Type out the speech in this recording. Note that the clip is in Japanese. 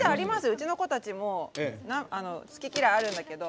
うちの子たちも好き嫌いあるんだけど。